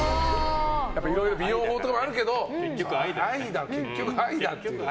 いろいろ美容法とかあるけど結局、愛だという。